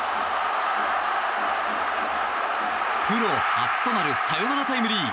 プロ初となるサヨナラタイムリー。